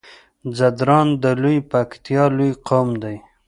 ځدراڼ د لويې پکتيا لوی قوم دی